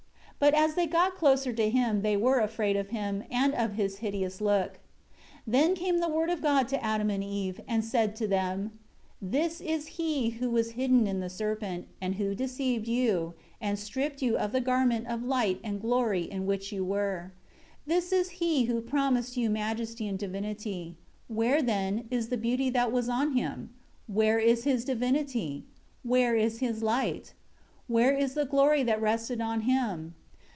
But as they got closer to him they were afraid of him, and of his hideous look. 5 Then came the Word of God to Adam and Eve, and said to them, "This is he who was hidden in the serpent, and who deceived you, and stripped you of the garment of light and glory in which you were. 6 This is he who promised you majesty and divinity. Where, then, is the beauty that was on him? Where is his divinity? Where is his light? Where is the glory that rested on him?